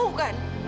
kamu tahu kan